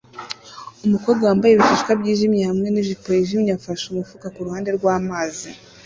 Umukobwa wambaye ibishishwa byijimye hamwe nijipo yijimye afashe umufuka kuruhande rwamazi